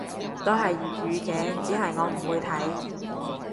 都係粵語嘅，只係我唔會睇